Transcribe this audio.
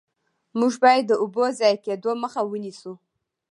موږ باید د اوبو ضایع کیدو مخه ونیسو.